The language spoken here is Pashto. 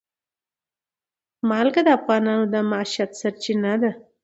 نمک د افغانانو د معیشت سرچینه ده.